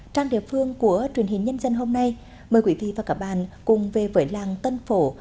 trang địa phương của truyền hình nhân dân hôm nay mời quý vị và các bạn cùng về với làng tân phổ